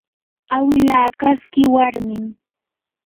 awila kaski warmim